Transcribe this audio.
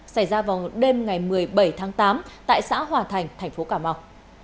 xảy ra vào đêm ngày một mươi bảy tháng tám tại xã hòa thành tp cà mau